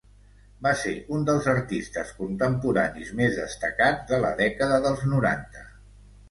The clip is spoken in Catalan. Va ser un dels artistes contemporanis més destacats de la dècada dels noranta.